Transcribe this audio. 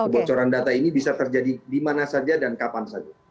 kebocoran data ini bisa terjadi di mana saja dan kapan saja